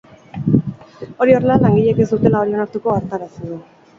Hori horrela, langileek ez dutela hori onartuko ohartarazi du.